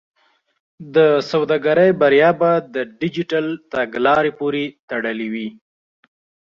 د سوداګرۍ بریا به د ډیجیټل تګلارې پورې تړلې وي.